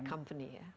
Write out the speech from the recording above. teknologi company ya